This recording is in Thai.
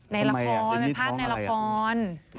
ในละครเป็นภาพในละคร